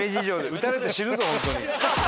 撃たれて死ぬぞ本当に。